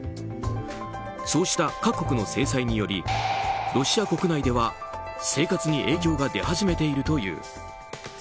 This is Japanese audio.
そうした各国の制裁によりロシア国内では生活に影響が出始めているという。